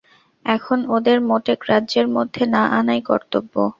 এখন ওদের মোটে গ্রাহ্যের মধ্যে না আনাই কর্তব্য।